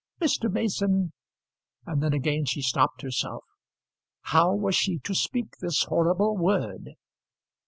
"Mr. Mason " And then again she stopped herself. How was she to speak this horrible word?